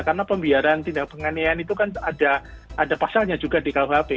karena pembiaran tindak penganiayaan itu kan ada pasalnya juga di kuhp